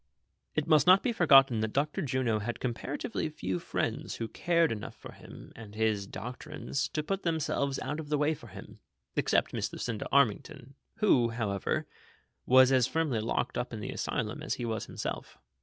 It must not be forgotten that Dr. Juno had compara tively few friends who cared enough for him and his doc trines to put themselves out of the way for him, except Miss Lucinda Armington, who, however, was as firmly locked up in the asylum as he was himself.